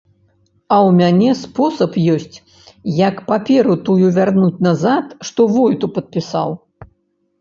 А ў мяне спосаб ёсць, як паперу тую вярнуць назад, што войту падпісаў.